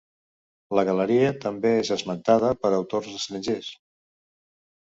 La galeria també és esmentada per autors estrangers.